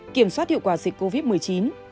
kiểm soát hiệu quả dịch covid một mươi chín